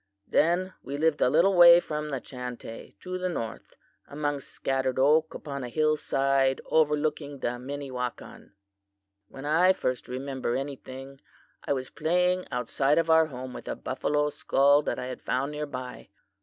Then we lived a little way from the Chantay to the north, among scattered oak upon a hillside overlooking the Minnewakan. "'When I first remember anything, I was playing outside of our home with a buffalo skull that I had found near by.